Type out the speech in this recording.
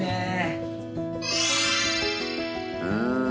うん。